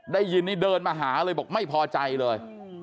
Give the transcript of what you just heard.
ได้ยินนี่เดินมาหาเลยบอกไม่พอใจเลย